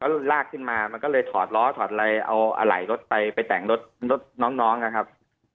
แล้วลากขึ้นมามันก็เลยถอดล้อถอดอะไรเอาอะไหล่รถไปไปแต่งรถรถน้องนะครับ